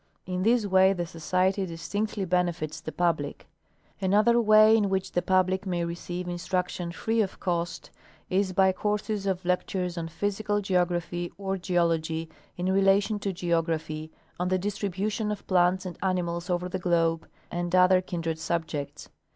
In this way the Society distinctly benefits the public. Another way in which the public may re ceive instruction free of cost is by courses of lectures on physical geography or geology in relation to geography, on the distribu tion of plants and animals over the globe, and other kindred subjects.